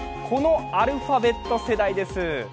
このアルファベット世代です。